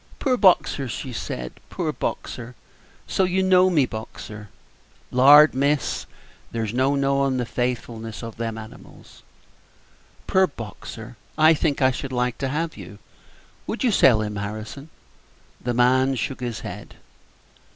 "Poor Boxer!" she said, "poor Boxer! so you know me, Boxer!" "Lord, miss, there's no knowin' the faithfulness of them animals." "Poor Boxer! I think I should like to have you. Would you sell him, Harrison?" The man shook his head.